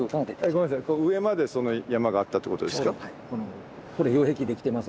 上までその山があったってことですか？